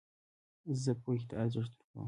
زه پوهي ته ارزښت ورکوم.